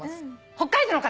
北海道の方。